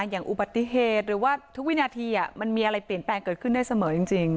อย่างอุบัติเหตุหรือว่าทุกวินาทีมันมีอะไรเปลี่ยนแปลงเกิดขึ้นได้เสมอจริง